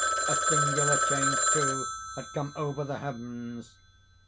A singular change, too, had come over the heavens.